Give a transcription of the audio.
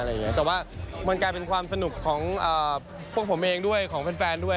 แต่ว่ามันกลายเป็นความสนุกของพวกผมเองด้วยของแฟนด้วย